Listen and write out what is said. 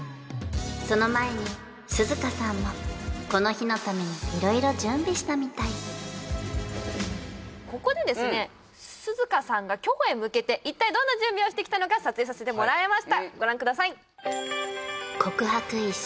その前に涼香さんもこの日のために色々準備したみたいここでですね涼香さんが今日へ向けて一体どんな準備をしてきたのか撮影させてもらいましたご覧ください